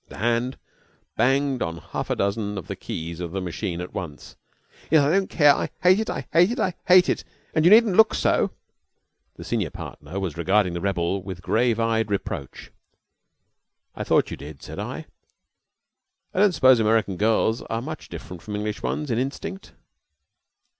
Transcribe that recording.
The hand banged on half a dozen of the keys of the machine at once. "Yet I don't care. I hate it I hate it I hate it and you needn't look so!" The senior partner was regarding the rebel with grave eyed reproach. "I thought you did," said I. "I don't suppose American girls are much different from English ones in instinct."